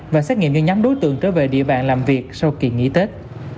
và xét nghiệm những nhắn đối tượng trở về địa bàn làm việc sau kỳ nghỉ tết